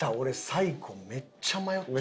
最後めっちゃ迷ったな。